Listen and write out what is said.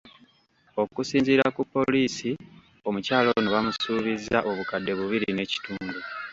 Okusinziira ku poliisi omukyala ono bamusuubizza obukadde bubiri n'ekitundu.